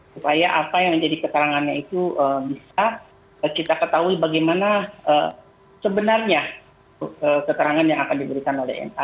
supaya apa yang menjadi keterangannya itu bisa kita ketahui bagaimana sebenarnya keterangan yang akan diberikan oleh ma